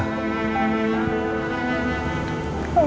kamu ngapain di sini